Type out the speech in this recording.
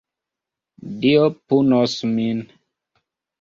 Dio punos min!